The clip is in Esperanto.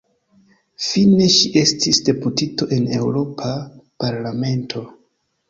Fine ŝi estis deputito en Eŭropa Parlamento.